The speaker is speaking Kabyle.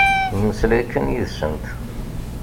Mmeslay kan yid-sent.